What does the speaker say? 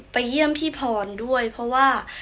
เยี่ยมพี่พรด้วยเพราะว่า